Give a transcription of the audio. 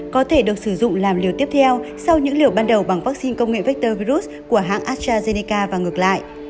có thể được sử dụng làm liều tiếp theo sau những liều ban đầu bằng vaccine công nghệ vector virus của hãng astrazeneca và ngược lại